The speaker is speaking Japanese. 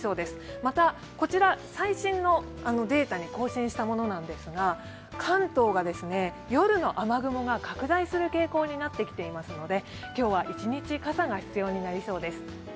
また、こちら最新のデータに更新したものなんですが、関東が夜の雨雲が拡大する傾向になってきていますので今日は一日傘が必要になりそうです。